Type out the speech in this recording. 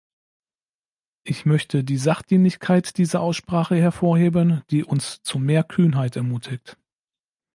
Ich möchte die Sachdienlichkeit dieser Aussprache hervorheben, die uns zu mehr Kühnheit ermutigt.